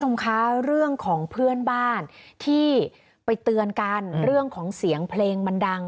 คุณผู้ชมคะเรื่องของเพื่อนบ้านที่ไปเตือนกันเรื่องของเสียงเพลงมันดัง